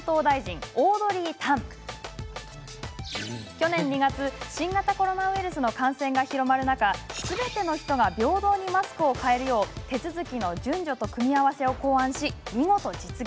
去年２月、新型コロナウイルスの感染が広まる中、すべての人が平等にマスクを買えるよう手続きの順序と組み合わせを考案し、見事実現。